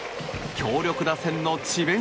強力打線の智弁